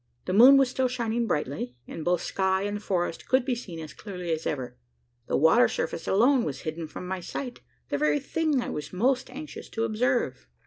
The moon was still shining brightly; and both sky and forest could be seen as clearly as ever. The water surface alone was hidden from my sight the very thing I was most anxious to observe.